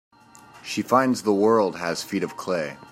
She finds the world has feet of clay.